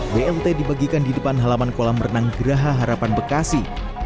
blt dibagikan di depan halaman kolam renang geraha harapan bekasi